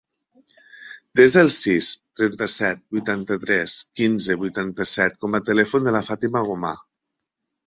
Desa el sis, trenta-set, vuitanta-tres, quinze, vuitanta-set com a telèfon de la Fàtima Gomar.